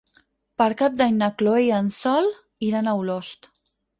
Per Cap d'Any na Chloé i en Sol iran a Olost.